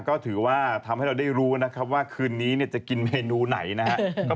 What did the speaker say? ก็ถือว่าทำให้เราได้รู้นะครับว่าคืนนี้จะกินเมนูไหนนะครับ